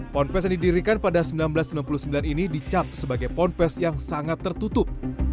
ponpes yang didirikan pada seribu sembilan ratus sembilan puluh sembilan ini dicap sebagai ponpes yang sangat tertutup